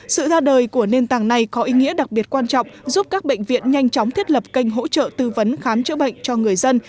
sự ra đời của nền tảng này có ý nghĩa đặc biệt quan trọng giúp các bệnh viện nhanh chóng thiết lập kênh hỗ trợ tư vấn khám chữa bệnh cho người dân